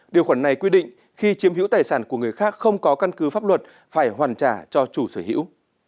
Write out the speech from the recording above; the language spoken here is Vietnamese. điều khoản này quy định khi chiếm hữu tài sản của người khác không có căn cứ pháp luật phải hoàn trả cho chủ sở hữu